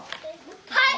はい！